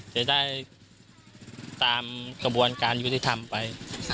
จะได้ตามกระบวนการยุติธรรมไป